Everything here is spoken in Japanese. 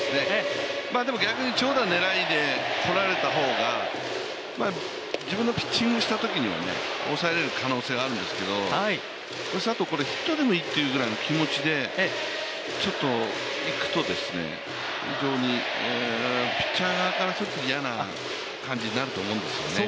でも逆に長打狙いで来られた方が自分のピッチングをしたときには抑えられる可能性があるんですけど佐藤はヒットでもいいというぐらいの気持ちでいくと非常にピッチャー側からすると、嫌な感じになると思うんですよね。